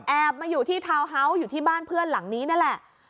มาอยู่ที่ทาวน์เฮาส์อยู่ที่บ้านเพื่อนหลังนี้นี่แหละ